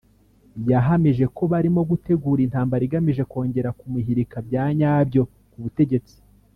yahamije ko barimo gutegura intambara igamije kongera kumuhirika bya nyabyo ku butegetsi